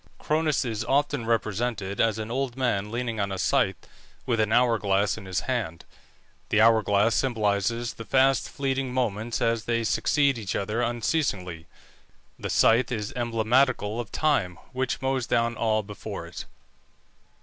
Cronus is often represented as an old man leaning on a scythe, with an hour glass in his hand. The hour glass symbolizes the fast fleeting moments as they succeed each other unceasingly; the scythe is emblematical of time, which mows down all before it.